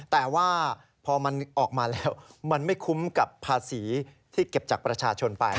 แต่ว่าพอมันออกมาแล้วมันไม่คุ้มกับภาษีที่เก็บจากประชาชนไป